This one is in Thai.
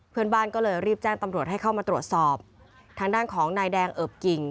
เพื่อนบ้านก็เลยรีบแจ้งตำรวจให้เข้ามาตรวจสอบทางด้านของนายแดงเอิบกิ่ง